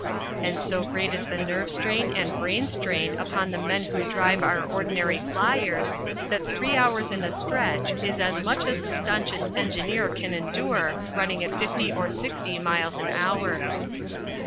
And so great is the nerve strain and brain strain upon the men who drive our ordinary fliers, that three hours at a stretch is as much as the stanchest engineer can endure running at fifty or sixty miles an hour.